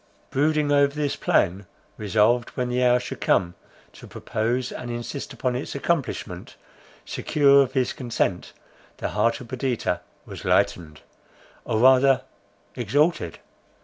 Brooding over this plan, resolved when the hour should come, to propose, and insist upon its accomplishment, secure of his consent, the heart of Perdita was lightened, or rather exalted.